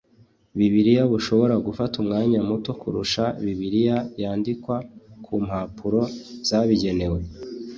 bibiliya bushobora gufata umwanya muto kurusha bibiliya yandikwa ku mpapuro zabigenewe